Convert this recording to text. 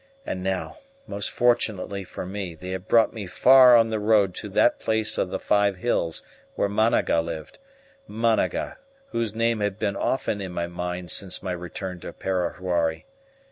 And now, most fortunately for me, they had brought me far on the road to that place of the five hills where Managa lived Managa, whose name had been often in my mind since my return to Parahuari.